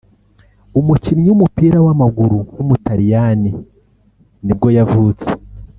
umukinnyi w’umupira w’amaguru w’umutaliyani ni bwo yavutse